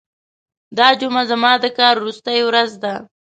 دا جمعه زما د کار وروستۍ ورځ ده.